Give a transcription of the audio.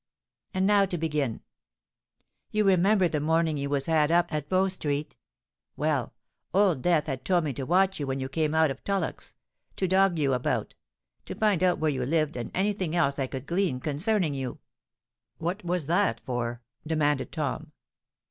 And now to begin. You remember the morning you was had up at Bow Street? Well—Old Death had told me to watch you when you came out of Tullock's—to dog you about—to find out where you lived and any thing else I could glean concerning you." "What was that for?" demanded Tom.